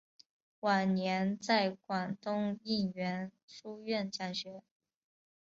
晚年在广东应元书院讲学。